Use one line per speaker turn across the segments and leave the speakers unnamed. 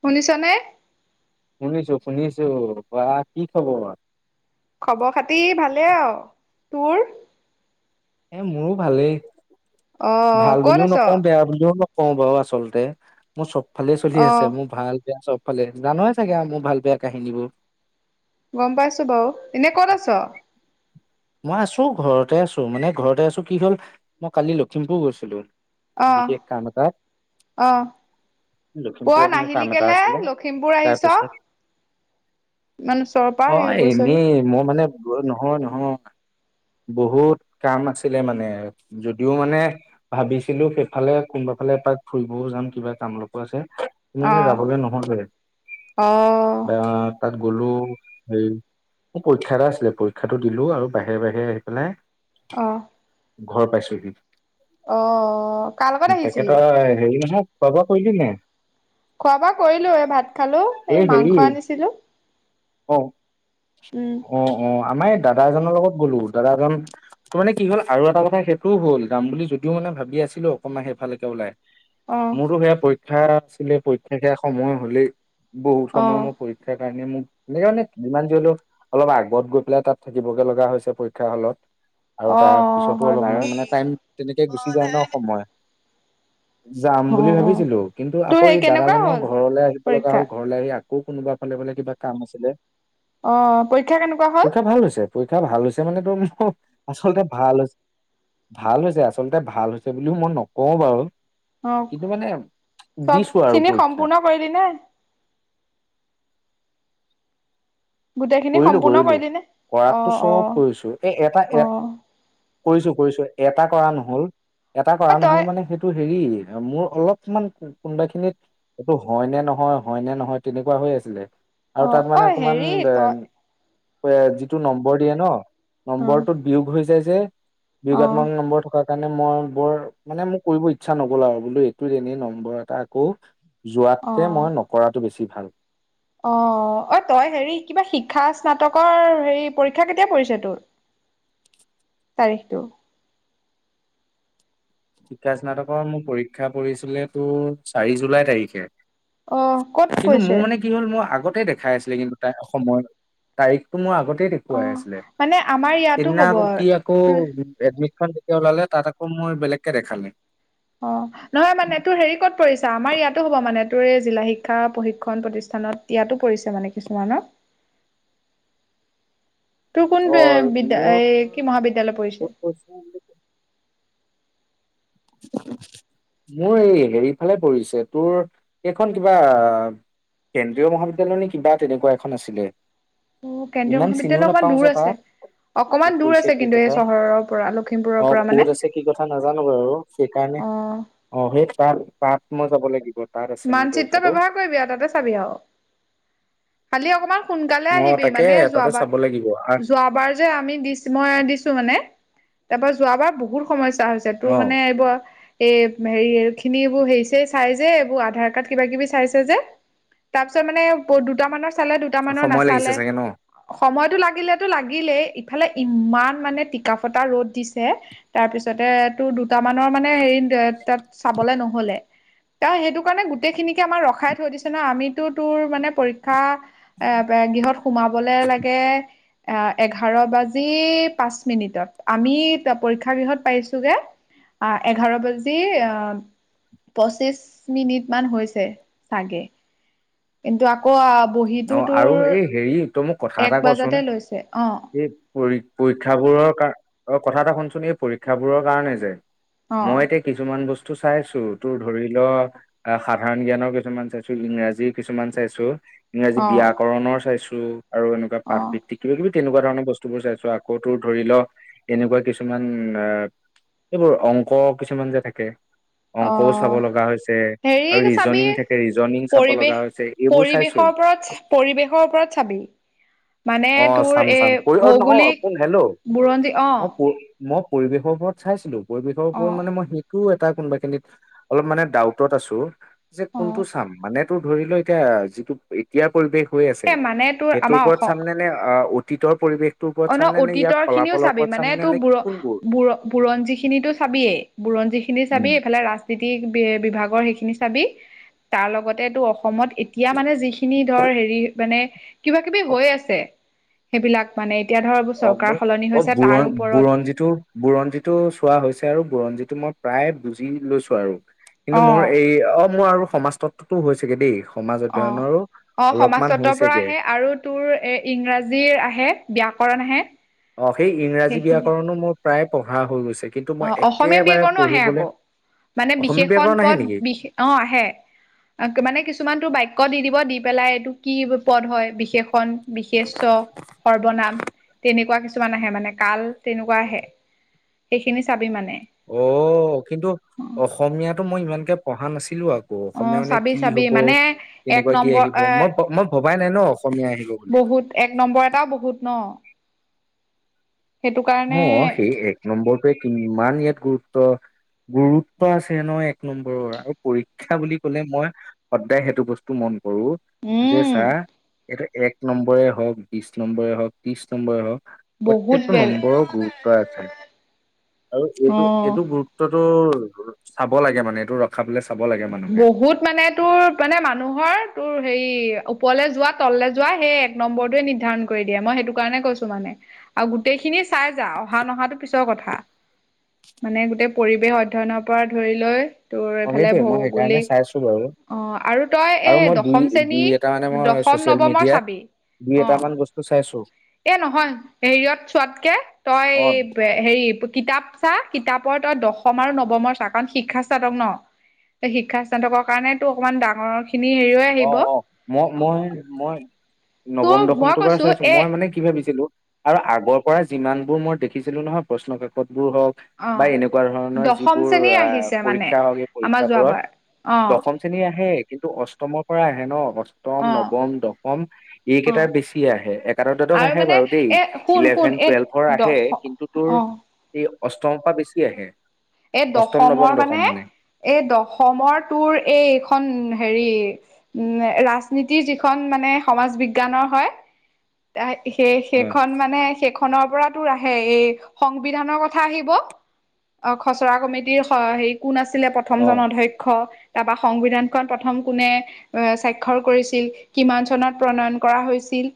শুনিছা নে?
শুনিছো - শুনিছো কোৱা কি খবৰ।
খবৰ খাতি ভালে আৰু তোৰ।
এহ মোৰো ভালেই
অ'
ভাল
ক'ত
বুলিও
আছ?
নকও বেয়া বুলিও নক ও, বাৰু আচলতে মোৰ চব ফালে চলি
অ'
আছে মোৰ ভাল। বেয়া চব ফালে জানোই চাগে আৰু মোৰ ভাল বেয়া কাহিনীবোৰ।
গম পাইছো বাৰু এনে ক'ত আছ।
মই আছো ঘৰতে আছো মানে ঘৰতে আছো কি হ'ল মই কালি লখিমপুৰ গৈছিলো।
অ'
বিশেষ কাম এটাত।
অ' অ'
লখিমপুৰত মোৰ
নাহিলি
কাম এটা
কেলে?
আছিলে
লখিমপুৰ আহিছ?
তাৰপিছত
ইমান ওচৰৰ পৰা
অহ
এই গৈছহি।
এনেই মোৰ মানে নহয় নহয় বহুত কাম আছিলে মানে যদিও মানে ভাবিছিলো সেইফালে কোনবা ফালে এপাক ফুৰিবও যাম কিবা কাম অলপো আছে মানে
অ'
যাবলে নহ'লে
অ'
বাত তাত গ'লো হেৰি মোৰ পৰীক্ষা এটা আছিলে পৰীক্ষাটো দিলো আৰু বাহিৰে বাহিৰে আহি পেলাই
অহ
ঘৰ পাইছোহি
কাৰ লগত আহিছিলি?
তেখেতৰ হেৰি নহয় খোৱা বোৱা কৰিলি নাই
খোৱা বোৱা কৰিলো এই ভাত খালো এই মাংস আনিছিলো
অহ
উম,
অহ আমাৰ এই দাদা এজনৰ লগত গ'লো দাদা জন তোৰ মানে কি হ'ল আৰু এটা কথা সেইটোও হ'ল যাম বুলি যদিও মানে ভাবি আছিলো অকণমান সেই ফালকে ওলাই
অ'
মোৰো সেয়া পৰীক্ষা আছিলে পৰীক্ষা সেয়া সময় হ'লেই বহুত সময়
অ'
মোৰ পৰীক্ষাৰ কাৰণে মো [unintelligible] যিমান যি হ'লেও অলপ আগত গৈ পেলাই তাত থাকিবগে লগা হৈছে পৰীক্ষা হলত আৰু
অ'
তাৰ
অ'
পিছতো
হয় বাৰু।
অলপমান মানে টাইম তেনেকে গুচি যায় ন সময় যাম
অ'
বুলি
অ
ভাবিছিলো কিন্তু
তোৰ
আকৌ
সেই
এই দাদা
কেনেকুৱা
জনৰ
হ'ল
ঘৰলৈ আহিব লগা
পৰীক্ষা?
হ'ল ঘৰলে আহি আকৌ কোনোবা ফালে বোলে কিবা কাম আছিলে
অহ পৰীক্ষা কেনেকুৱা হ'ল
পৰীক্ষা ভাল হৈছে পৰীক্ষা ভাল হৈছে মানে তোৰ মোৰ আচলতে ভাল হৈছে ভাল হৈছে আচলতে ভাল হৈছে বুলিও মই নকওঁ বাৰু
অ
কিন্তু মানে
চব
দিছো আৰু
খিনি
পৰীক্ষা
সম্পূৰ্ণ কৰিলি নে গোটেইখিনি
কৰিলো
সম্পূৰ্ণ
কৰিলো
কৰিলি নে অ
কৰাতটো
অ
চব কৰিছো এ এটা
অ
এ কৰিছো কৰিছো এটা কৰা নহ'ল এটা
অ
কৰা
তই
নহ'ল মানে সেইটো হেৰি মোৰ অলপমান কোনোবা খিনিত এইটো হয় নে নহয় হয় নে নহয় তেনেকুৱা হৈ আছিলে
অ
আৰু তাত
অ
মানে অকমান
হেৰি তই
আহ যিটো নম্বৰ দিয়ে ন
অ
নম্বৰটোত বিয়োগ হৈ যায় যে
অ
বিয়োগাত্মক নম্বৰ থকাত সেই কাৰণে মই বৰ মানে মোৰ কৰিব ইচ্ছা নগ'ল আৰু বোলো এইটো এনেই নম্বৰ এটা আকৌ যোৱাতকে মই নকৰাটো বেছি ভাল
অহ অ তই হেৰি কিবা শিক্ষা স্নাতকৰ হেৰি পৰীক্ষা কেতিয়া পৰিছে তোৰ
[inaudible]
তাৰিখটো
শিক্ষা স্নাতকৰ মোৰ পৰীক্ষা পৰিছিলে তোৰ চাৰি জুলাই তাৰিখে
অ ক'ত
কিন্তু মোৰ
পৰিছে
মানে কি হ'ল মই আগত তে দেখাই আছিলে কিন্তু তাৰ অসমৰ তাৰিখটো মোৰ আগতে তেই
অ
দেখুৱাই আছিলে
মানে আমাৰ ইয়াতো
সেইদিনা
হ'ব
আকৌ কি আকৌ
তোৰ
এডমিতখন ওলালে তাত আকৌ মোৰ বেলেগকে দেখালে
অহ, নহয় মানে তোৰ হেৰি ক'ত পৰিছে আমাৰ ইয়াতো হ'ব মানে তোৰ এই জিলা শিক্ষা প্ৰশিক্ষণ প্ৰতিষ্ঠা খনত ইয়াতো পৰিছে মানে কিছুমানৰ
[inaudible]
তোৰ কোন
অ
এহ
মোৰ
বিদ্যা এই কি মহাবিদ্যালয়
ক'ত
পৰিছে
বুলি [unintelligible] মোৰ এই হেৰি ফালে পৰিছে তোৰ এইখন কিবা কেন্দ্ৰীয় মহাবিদ্যালয় নে কিবা তেনেকুৱা এখন আছিলে
তোৰ কেন্দ্ৰীয়
ইমান
মহাবিদ্যালয়
চিনিও
অকমান
নাপাও
দূৰ
যে
আছে।
তাৰ কত
অকমান দূৰ
পৰিছে
আছে
কি
কিন্তু এই
কথা
চহৰৰ পৰা লখিমপুৰৰ
অ
পৰা মানে
কত আছে কি কথা নাজানো বাৰু সেইকাৰণে
অ
অ সেই তা তাত মই যাব লাগিব তাত আছে মোৰ
মানচিত্ৰ
পৰীক্ষাটো
ব্যৱহাৰ কৰিবি আৰু তাতে চাবি আও খালি অকমান সোনকালে
অ
আহিবি
তাকে
মানে
তাতে
যোৱাবাৰ
চাব লাগিব আৰু
যোৱাবাৰ যে আমি দিছ মই দিছো মানে তাৰ পা যোৱাবাৰ বহুত সমস্যা হৈছে তোৰ
অ',
মানে এইবাৰ এই হেৰি এই খিনি এইিবোৰ হেৰিছে চাই যে এইবোৰ আধাৰ কাৰ্ড কিবা কিবি চাইছে যে তাৰপিছত মানে দুট মানৰ চালে দুটামানৰ
সময় লাগিছে
নাচালে
চাগে ন?
টো লাগিলটো লাগিলেই ইফালে ইমান মানে টিকা‌ ফটা ৰ'দ দিছে তাৰ পিছতে টো দুট মানৰ মানে হেৰি তাত চাবলে নহলে ত সেইটো তোৰ কাৰণে গোটেইখিনিকে আমাৰ ৰখাই থৈ দিছে ন আমিতো তোৰ মানে পৰীক্ষা এ গৃহত সোমাবলে লাগে এ এঘাৰ বাজি পাঁচ মিনিটত আমি পৰীক্ষাাগৃহত পাইছোগে আহ এঘাৰ বাজি আহ পঁচিশ মিনিট মান হৈছে চাগে কিন্তু আকৌ বহীতো
অ',
তোৰ
আৰু এই হেৰি তই মোক
এক বজাতে লৈছে অ
পৰীক্ষাবোৰৰ কাৰ অ কথা এটা শুনচোন এই পৰীক্ষাবোৰৰ কাৰণে যে
অ
মই এতিয়া কিছুমান বস্তু তোৰ চাইছো তোৰ ধৰি ল আহ সাধাৰণ জ্ঞানৰ কিছুমান চাইছো ইংৰাজী কিছুমান চাইছো ইংৰাজী
অ
ব্যয়াকৰণৰ চাইছো আৰু এনেকুৱা
অ
পাঠ ভিত্তিক কিবা কিবি তেনেকুৱা ধৰণৰ বস্তু বোৰ চাইছো আকৌ তো ধৰি ল এনেকুৱা কিছুমান অ এইবোৰ অংক কিছুমান যে থাকে
অ
অংকও চাব লগা হৈছে আৰু
হেৰি চাবি
ৰিজনিং থাকে ৰিজনিং চাব লগা
পৰিৱেশ
হৈছে এইবোৰ
পৰিৱেশৰ
চাইছো
ওপৰত পৰিৱেশৰ ওপৰত চাবি মানে
অ
তোৰ
চাম চাম
এই
পৰি অ নহয়
ভৌগোলিক
শুন হেল্ল'
বুৰঞ্জী অ
মই প মই পৰিৱেশৰ ওপৰত চাইছিলো পৰিৱেশৰ
অ
ওপৰত মানে মই শ তোৰ এটা কোনোবাখিনিত অলপ মানে ডাউ আছো
অ
কোনটো চ মানে তোৰ ধৰিলে এতিয়া যি এতিয়া পৰিবেশ হৈ আছে
এই মানে তোৰ
সেইটোৰ
আমাৰ
ওপৰত
অসম
ছাম নে ভিতৰৰ পৰিৱেশ
অ ন অতীতৰ খিনিও চাবি মানে তোৰ
নে
ব
কোনবোৰ
বুৰঞ্জী খিনিিতো চাবিয়েই ব্জ যিখিনি চাবি এইফালে ৰাজনীতি বিভাগৰ সেইখিনি চাবি তাৰ লগতে তটো অসমত এতিয়া মানে যিখিনি ধৰ হেৰি মানে কিবা কিবি হৈ আছে সেইবিলাক মানে এতিয়া ধৰ
অ
চৰকাৰ
মোক
সলনি
অ
হৈছে তাৰ
বুৰ
ওপৰত
বুৰঞ্জিতো বুৰঞ্জিতটো চোৱা হৈছে আৰু বুৰঞ্জিত মই প্ৰায় বুজি লৈছো আৰু কিন্তু
অ
মোৰ এই অ মোৰ আৰু সমাজত মোৰ হৈছেগে‌ দেই সমাজ
অ
অধ্যয়নৰো
অ
অলপমান
সমাজত্বৰ পৰা
হৈছেগে
আহে আৰু তোৰ এ ইংৰাজীৰ আহে ব্যাক কৰা নাহে
অ সেই ইংৰাজী ব্যাকৰণো মোৰ প্ৰায় পঢ়া হৈ গৈছে কিন্তু
অ
মই
অসমীয়া
একেবাৰে
ব্যাকৰণো আহে
পঢ়িবলৈ
আকৌ মানে
অসমীয়া
বিশেষণ
ব্যাকৰণ আহে
পদ
নেকি
বিশ অ আহে মানে কিছুমান তোৰ বাক্য দিদি দিব‌ দি পেলাই এইটো কি পদ হয় বিশেষন বিশেষ্য‌ সৰ্বনাম তেনেকুৱা কিছুমান আহে মানে কাল তেনেকুৱা আহে সেইখিনি চাবি মানে
অ কিন্তু
অ
অসমীয়াটো মই ইমানকে পঢ়া নাছিলো আকৌ
অ
অসমীয়া মানে
চাবি
কি
চাবি
হব
মানে এক
কেনেকুৱা কি
নম্বৰ
আহিব
এ
মই মই ভবাই নাই ন অসমীয়া আহিব বুলি
বহুত এক নম্বৰ এটাও বহুত ন সেইটো কাৰণে
অ সেই এক নম্বৰটোৱে কিমান ইয়াত গুৰুত্ব গুৰুত্ব আছে ন এক নম্বৰৰ আৰু পৰীক্ষা বুলি ক'লে মই সদায় সেইটো বস্তু মন কৰো যে
উম
চাহ এটা এক নম্বৰে হওক বিশ নম্বৰে হওক ত্ৰিশ নম্বৰে হওক
বহুত বেেল
বৰ গুৰুত্ব আছে আৰু এইটো
অ
এইটো গুৰুত্বটো চাব লাগে মানে এইটো ৰখাবলৈ চাব লাগে মানুহে।
বহুত মানে তোৰ মানে মানুহৰ তোৰ হে ওপৰলৈ যোৱা তল যোৱা সেই এক নম্বৰটোোৱে নিৰ্ধাৰণ কৰি দিয়ে মই সেইটো কাৰণে কৈছো মানে আৰু গোটেই খিনি চাই যা অহা নহাতটো পিছৰ কথা। মানে গোটেই পৰিৱেশ অধ্যনৰ পৰা ধৰি লৈ তোৰ।
অ',
ফালে
সেইটোৱে মই সেইকাৰণে
ভৌগোলিক
চাইছো বাৰু
অ' আৰু তই
আৰু
এ
মই দুই
দশম শ্ৰেণী
দুই এটা মানে মই
দশম
ছচিয়েল
নৱমৰ
মিডিয়াত
চাবি।
দুই
অ
এটামান বস্তু চাইছো।
এ নহয় হেৰিয়ত চোৱাতকে তই
অ',
হেৰি কিতাপ চা। কিতাপৰ তই দশম আৰু নৱমৰ চ কাৰণ শিক্ষা চাতক ন। শিক্ষা স্থাতকৰ কাৰণ তটো অকমান ডাঙৰ খিনি হেৰি হৈ আহিব
অ-অ, মই-মই-মই, নৱম
ত' মই
দশমটো বাৰ
কৈছো
চাইছো
এ
মই মানে কি ভাবিছিলো। আৰু আগৰ পৰা যিমান বোৰ মই দেখিছিলো নহয় প্ৰশ্ন কাকত। বোৰ হওক
অ
বা এনেকুৱা ধৰণৰ
দশম
যিবোৰ
শ্ৰেণী
আহ
আহিছে মানে
পৰীক্ষা হওক এই
আমাৰ যোৱাবাৰ
পৰীক্ষাবোৰত,
অ
দশম শ্ৰেণী আহে কিন্তু অষ্টমৰ পৰা আহে ন অষ্ট।
অ
নম দসম
অ
এইেই বেছি
আৰু
আছে
মানে
বাৰু
এ শুন শুন
ইলেভেন
এই
টুৱেলভৰ আহে
দশ
কিন্তু তোৰ
অ
এই অষ্টমৰ পৰা বেছি আহে।
এই
অষ্টম নৱম
দশমৰ মানে
দশম
এই দশমৰ তোৰ এই এইখন হেৰি উম ৰাজনীতিৰ যিখন মানে সমাজ বিজ্ঞানৰ হয়। ত'
হয়
সেই-সেইখন মানে সেইখন, খনৰ পৰা তোৰ আহে এই সংবিধানৰ কথা আহিব। অ' খচৰা কমিটিৰ হেৰি কোন আছিলে প্ৰথম
অ
জন অধ্যক্ষ। তাৰপা সংবিধানখন প্ৰথম কোনে স্বাক্ষৰ কৰিছিল কিমান চনত প্ৰণয়ন কৰা হৈছিল।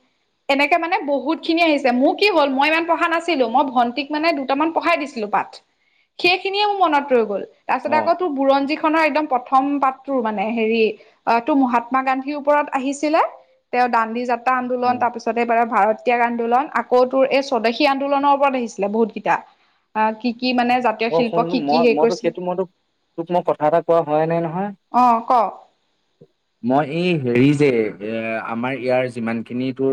[unintelligible] এনেকে মানে বহুত খিনি আহিছে মোৰ কি হ'ল মই ইমান পঢ়া নাছিলো মই ভণ্টিক মানে দুটামান পঢ়াই দিছিলো পাঠ। সেইখিনিয়ে মোৰ মনত ৰৈ গ'ল তাৰ পাছত
অ
আকৌ বুৰঞ্জী খনৰ একদম প্ৰথম পাতটোৰ মানে হেৰি অ তটো মহাত্মা গান্ধীৰ ওপৰত আহিছিলে। তেওঁ দাণ্ডি যাত্ৰা আন্দোলন
উম
তাৰ পিছত, ভাৰত্যাগ আন্দোলন আকৌ তোৰ এই স্বদেশী আন্দোলনৰ ওপৰত আহিছিলে বহুত কেইটা অ' কি কি মানে জাতীয়
অ শুন
শিল্প
মই
কি-কি হেৰি
মইতো
কৰিছিল
সেইটো মইতো তোক মই কথা এটা কোৱা হোৱাই নাই নহয়
অ', ক?
মই এই হেৰি যে এ আমাৰ ইয়াৰ যিমানখিনি তোৰ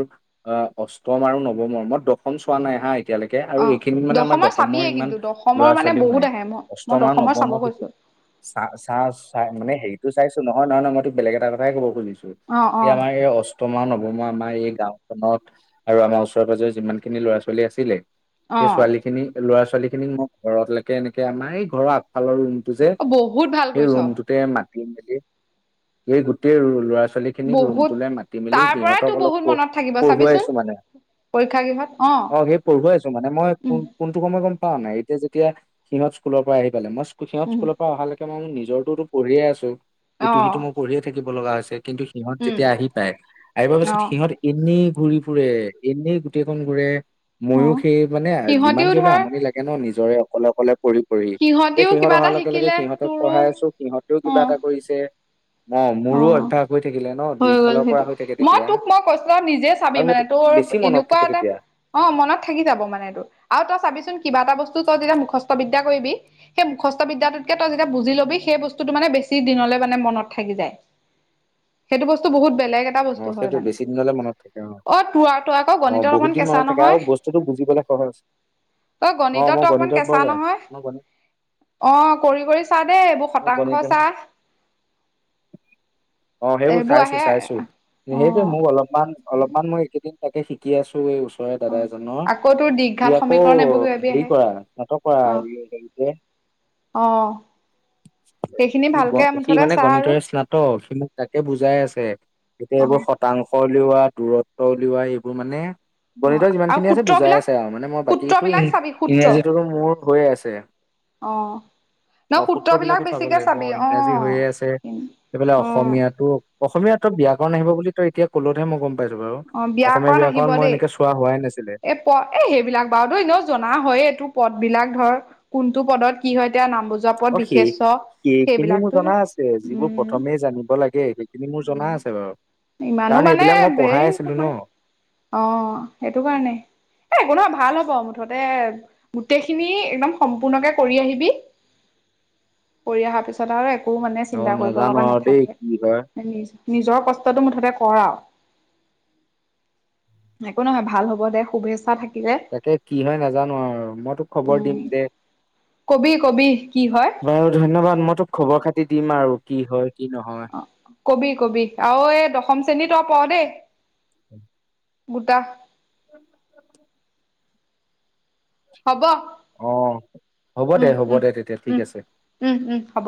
অ' অষ্টম আৰু নৱমৰ দশম চোৱা নাই হা। এতিয়ালৈকে আৰু
অ
এইখিনি মানে আমাৰ দশমৰ
চাবিয়ে
ইমান
কিন্তু
ল'ৰা
দশমৰ মানে
ছোৱালীও নাই
বহুত আহে মই মই
অষ্টম আৰু
দশমৰ চাব
নৱমবৰ্ষ
গৈছো
চা-চ-চা মানে হেৰিত। ত চাইছো নহয়-নহয়-নহয় মইত বেলেগ এটা কথাই কবুজিছো
অ অ
এই আমাৰ এই অষ্টমমান মই আমাৰ এই গাওখননত আৰু আমাৰ ওচ পাজৰে যিমান খিনি ল'ৰা ছোৱালী আছিলে।
অ
সেই ছোৱালী খিনি ল'ৰা ছোৱালী খিনিক মই ঘৰৰতলৈকে এনেকে আমাৰ এই ঘৰৰ আগফালৰ ৰুম। যে
বহুত ভাল
সেই
কৰিছ
ৰুমটোতে মাতি মেলি স গোটেই ল'ৰা ছোৱালী লৰা-ছোৱালী খিনিক
বহুত
ৰুমটোলৈ মাতি মেলি
তাৰ পৰাই
সিহঁতক
তো
অলপ
বহুত মনত থাকিব
পঢ়ুৱাই
চাবিচোন
আছো মানে।
পৰীক্ষা গৃহত
অ' সেই পঢ়ুৱাই আছো মানে মই
উম
কোন-কোনটো সময় গম পোৱা নাই এতিয়া যেতিয়া সিহঁত স্কুলৰ পৰা আহি পে মই সিহত
উম
স্কুলৰ পৰা অহালৈকে। মই মোৰ নিজৰোতো পঢ়িয়ে আছো। ইটো
অহ,
সিটো মই পঢ়িয়ে থাকিব লগা হৈছে কিন্তু সিহঁত যেতিয়া আহি পায় আহিব
অ
পিছত সিহঁত এনে ঘূৰি ফুৰে এনেই গোটেইখন ঘূৰে।
অ
ময়ো সেই মানে যিমান
সিহঁতিও
যি
ধৰ
আমনি লাগে ন নিজৰে অকলে-অকলে পঢ়িম। এতিয়া
সিহঁতিও
সিহঁত
কিবা এটা
অহাৰ লগে লগে
শিকিলে
সিহঁতক
তোৰো
পঢ়াই আছো সিহঁতেও
অ
কিবা এটা কৰিছে। অ মোৰো
অ'
অভ্যাস হৈ থাকিলে ন
হৈ গল
দুইফালৰ পৰা
সেইটো
হৈ থাকে
মই
তেতিয়া
তোক মই কৈছো নিজে চাবি
আৰু
মানে
সেইটো
তোৰ।
বেছি মনত
এনেকুৱা
থাকে
এটা
তেতিয়া
অ' মনত থাকি যাব মানে এইটো আৰু তই চাবিচোন কিবা এটা বস্তু তই যেতিয়া মুখস্থ বি য়া কৰিবি, সেই মুখস্থ বিদ্যাটোতকে তই যেতিয়া বুজি ল'বি সেই বস্তুতটো মানে বেছি দিনলৈ মানে মনত থাকি যায়। সেইটো বস্তু বহুত বেলেগ। এটা
ন
বস্তু হয়
সেইটো
মানে
বেছি দিনলে মনত থাকে অ,
তোৰ তই আকৌ
অ,
গণিতত
বহুত
অকমান
দিন
কেঁচা
মনত থাকে আৰু
নহয়
বস্তুতটো বুজিবলে [inaudible]
তই
অ
গণিতত
মই
অকণমান
বৰ
কেঁচা
বেয়া
নহয়।
মই গণিত
অ' কৰি-কৰি চা দেই, এইবোৰ
মই গণিত
শতাংশ চা।
অ সেইবোৰ
এইবোৰ আহে
চাইছো-চাইছো।
অ
সেইটোয়ে মোক অলপমান-অলপমান মই একেইদিন তাকে শিকি আছো। এই ওচৰে
অ
দাদা এজনৰ,
আকৌ তোৰ
সি
দীঘঘাত
আকৌ
সমীকৰণ এইবোৰ কিবা কিবি
হেৰি
আহে
কৰা নাটক কৰা এ
অ সেইখিনি
সি গ
ভালকে
সি
মুঠতে
মানে
চা আৰু
গণিতৰে স্নাতক, সি মোক তাকে বুজাই আছে। এতিয়া
অ
এইবোৰ শতাংশ উলিওৱা, দূৰত্ব উলিওৱা, এইবোৰ মানে
অ
গণিতৰ যিমান
আৰু
খিনি আছে বুজাই
সূত্ৰবিলাক
আছে আৰু, মানে মই বাকী
সূত্ৰবিলাক চাবি
ইংৰাজীতো মোৰ হৈয়ে আছে।
আহ।
অ সূত্ৰবিলাকো চাব লাগিব, ইংৰাজী হৈয়ে আছে, সেইফালে
অ
অসমীয়াটো অসমীয়া ত ব্যয়াকৰণ আহিব বুলি ত এতিয়া ক'লতহে মই গম পাইছো বাৰু, অসমীয়া ব্যয়াকৰণ মই এনেকে চোৱা হোৱাই নাছি
এ প এ সেইবিলাক বাৰু দই এনে জনা হয়ে তোক পদবিলাক ধৰ, কোনটো পদত কি হয়, এতিয়া নাম বুজোৱা
অ
পদ,
সেই
বিশেষ্য
সেইখিনি মোৰ
সেইবিলাকতো
জনা আছে, যিবোৰ
উম
প্ৰথমেই জানিব লাগে সেইখিনি মোৰ জনা
উম
আছে বাৰু।
ইমানো
কাৰণ
মানে
এইবিলাক মই পঢ়াই
বেৰি
আছিলো
নহয়,
ন
অ সেইটো কাৰণে।
[inaudible]
এ একো নহয় ভাল হব, মুঠতে গোটেইখিনি একদম সম্পূৰ্ণকে কৰি আহিবি।
[inaudible]
কৰি অহাৰ পিছত আৰু একো মানে
অ
চিন্তা কৰিব
নাজানো
লগা
আৰু দেই
নাথাকে
কি হয়
নিজৰ কষ্টটো মুঠতে কৰা, একো নহয় ভাল হ'ব দে শুভেচ্ছা থাক
তাকে কি হয় নাজানো আৰু মই তোক খবৰ দিম
উম
দে।
কবি কবি কি হয়
বাৰু ধন্যবাদ মই তোক খবৰ-খাতি দিম আৰু কি হয়। কি নহয়
অ কবি-কবি আৰু এই দশম শ্ৰেণীত অ প দেই।
[inaudible]
গুটা
[inaudible]
হব।
অ হ'ব দে
উম,
হ'ব
উম,
দে তেতিয়া ঠিক
উম,
আছে
উম, উম, হ'ব।